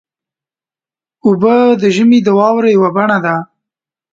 اوبه د ژمي د واورې یوه بڼه ده.